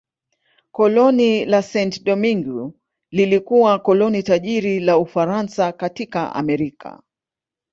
Koloni la Saint-Domingue lilikuwa koloni tajiri la Ufaransa katika Amerika.